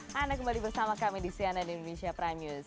hai kembali bersama kami di sian dan indonesia prime news